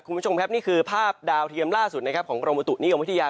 คุณผู้ชมครับนี่คือภาพดาวเทียมล่าสุดของกรมตุนี้ของวิทยา